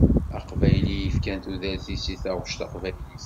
Aqbayli i yefkan tudert-is i taɣuct taqbaylit.